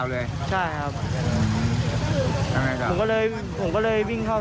ตกใจครับ